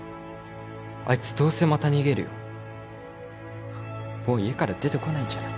あいつどうせまた逃げるよもう家から出てこないんじゃない？